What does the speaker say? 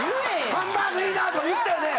ハンバーグいいなと言ったよね。